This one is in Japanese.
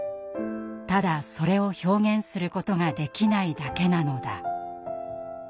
ただそれを表現することができないだけなのだ」。